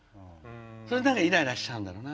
それで何かイライラしちゃうんだろうな。